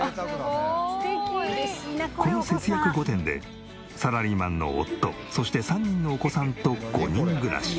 この節約御殿でサラリーマンの夫そして３人のお子さんと５人暮らし。